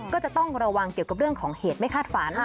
ก็จะต้องระวังเกี่ยวกับเรื่องของเหตุไม่คาดฝัน